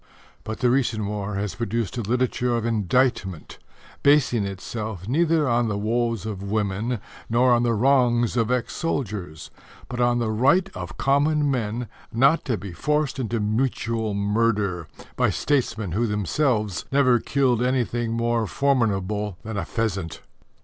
But the recent war has produced a literature of indictment, basing itself neither on the woes of women nor on the wrongs of ex soldiers, but on the right of common men not to be forced into mutual murder by statesmen who themselves never killed anything more formidable than a pheasant.